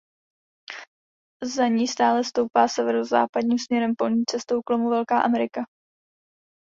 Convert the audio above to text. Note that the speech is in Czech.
Za ní stále stoupá severozápadním směrem polní cestou k lomu Velká Amerika.